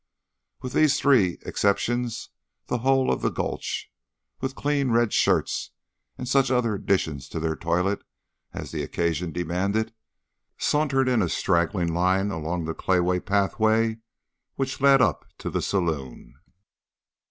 With these three exceptions the whole of the Gulch, with clean red shirts, and such other additions to their toilet as the occasion demanded, sauntered in a straggling line along the clayey pathway which led up to the saloon.